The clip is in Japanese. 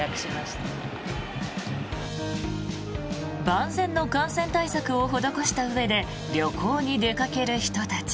万全の感染対策を施したうえで旅行に出かける人たち。